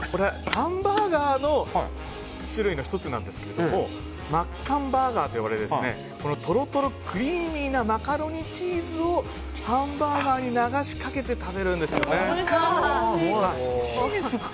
ハンバーガーの種類の１つなんですけどマッカンバーガーというトロトロクリーミーなマカロニチーズをハンバーガーに流しかけてマカロニチーズ！